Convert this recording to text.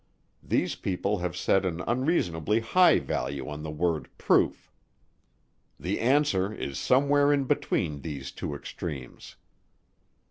These people have set an unreasonably high value on the word 'proof.' The answer is somewhere in between these two extremes."